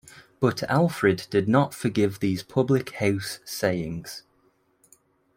But Alfred did not forgive these public-house sayings.